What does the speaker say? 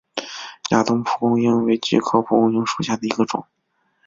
亚东蒲公英为菊科蒲公英属下的一个种。